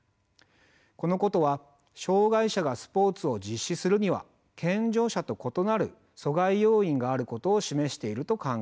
このことは障害者がスポーツを実施するには健常者と異なる阻害要因があることを示していると考えられます。